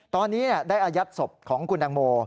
ตอนนี้ได้อายัดศพของคุณตังโม